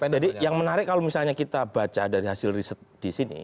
jadi yang menarik kalau misalnya kita baca dari hasil riset disini